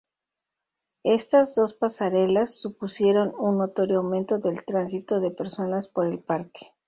Estas dos pasarelas supusieron un notorio aumento del tránsito de personas por el parque.